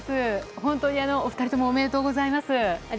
本当にお二人ともおめでとうございます。